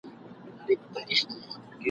دواړي زامي یې له یخه رېږدېدلې !.